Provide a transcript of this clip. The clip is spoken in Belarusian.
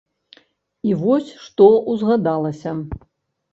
І вось што ўзгадалася.